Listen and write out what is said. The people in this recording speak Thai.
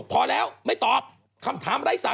จากธนาคารกรุงเทพฯ